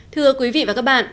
thưa quý vị và các bạn